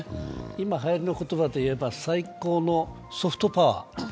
今はやりの言葉で言えば最高のソフトパワー。